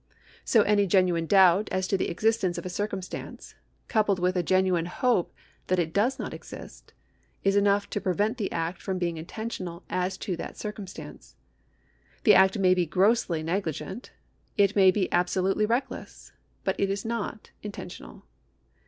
So any genuine doubt as to the existence of a circumstance, coupled with a genuine hope that it does not exist, is enough to prevent the act from being intentional as to that circumstance. The act may be grossly negligent, it may be absolutely reckless, but it is not intentional.